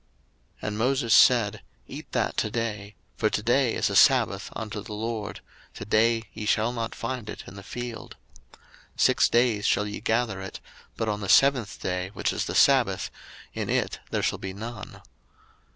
02:016:025 And Moses said, Eat that to day; for to day is a sabbath unto the LORD: to day ye shall not find it in the field. 02:016:026 Six days ye shall gather it; but on the seventh day, which is the sabbath, in it there shall be none.